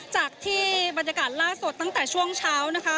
จากที่บรรยากาศล่าสุดตั้งแต่ช่วงเช้านะคะ